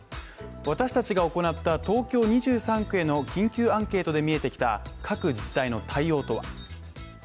私達が行った東京２３区への緊急アンケートで見えてきた各自治体の対応とは。